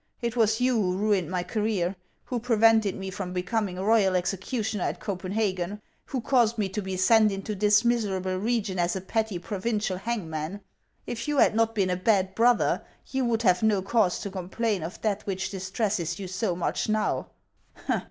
It was you who ruined my career ; who prevented me from becoming royal execu tioner at Copenhagen ; who caused me to be sent into this miserable region as a petty provincial hangman. If you had not been a bad brother, you would have no cause to complain of that which distresses you so much now.